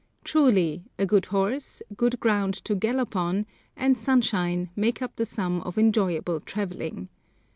Truly a good horse, good ground to gallop on, and sunshine, make up the sum of enjoyable travelling.